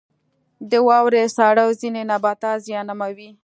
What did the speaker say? • د واورې ساړه ځینې نباتات زیانمنوي.